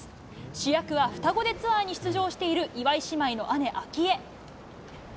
主役は双子でツアーに出場している岩井姉妹の姉、明愛。